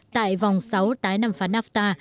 tại vòng sáu tái đàm phán nafta